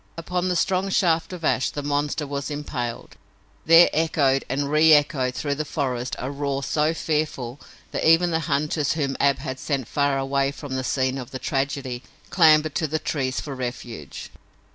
Upon the strong shaft of ash the monster was impaled. There echoed and reechoed through the forest a roar so fearful that even the hunters whom Ab had sent far away from the scene of the tragedy clambered to the trees for refuge.